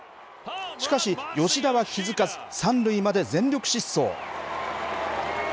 しかし、吉田は気付かず、３塁まで全力疾走。